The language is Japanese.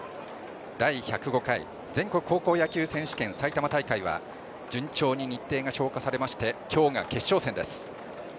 第１０５回全国高校野球選手権埼玉大会は順調に日程が消化されまして今日が決勝戦です。